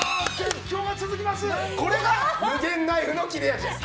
これが夢ゲンナイフの切れ味です。